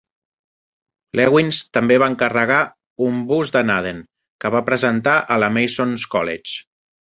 Lewins també va encarregar un bust de Naden, que va presentar al Mason's College.